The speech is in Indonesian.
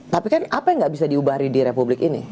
tapi kan apa yang nggak bisa diubah di republik ini